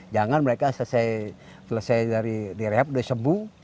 jangan mereka selesai dari di rehat udah sembuh